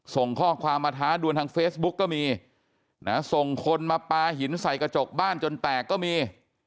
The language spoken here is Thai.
ส่งข้อความมาท้าดวนทางเฟซบุ๊กก็มีนะส่งคนมาปลาหินใส่กระจกบ้านจนแตกก็มี